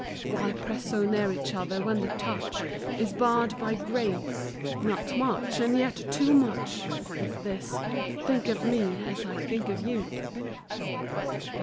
Why press so near each other, when the touch Is barred by graves ? Not much, and yet too much, Is this " Think of me as I think of you."